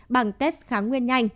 bằng test kháng nguyên nhanh